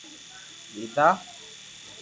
ڏیڌا